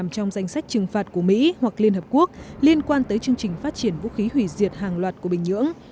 trong danh sách trừng phạt của mỹ hoặc liên hợp quốc liên quan tới chương trình phát triển vũ khí hủy diệt hàng loạt của bình nhưỡng